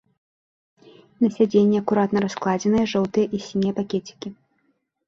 На сядзенні акуратна раскладзеныя жоўтыя і сінія пакецікі.